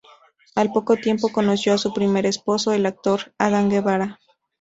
Al poco tiempo conoció a su primer esposo, el actor Adán Guevara.